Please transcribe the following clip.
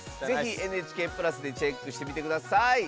ぜひ「ＮＨＫ＋」でチェックしてみてください。